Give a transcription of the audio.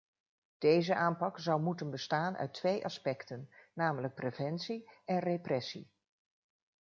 Deze aanpak zou moeten bestaan uit twee aspecten, namelijk preventie en repressie.